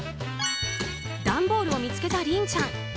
段ボールを見つけたりんちゃん。